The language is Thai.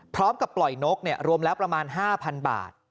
พร้อมกับปล่อยนกรวมแล้วประมาณ๕๐๐๐บาท